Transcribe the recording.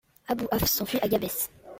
Abû Hafs s'enfuit à Gabès.